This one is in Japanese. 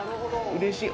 うれしい。